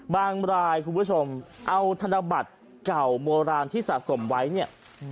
บางรายคุณผู้ชมเอาธนบัตรเก่าโบราณที่สะสมไว้เนี่ย